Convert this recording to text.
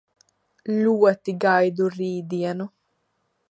Ļoti gaidu rītdienu.